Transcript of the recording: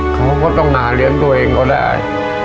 เขาก็ต้องหาเลี้ยงตัวเองก็ได้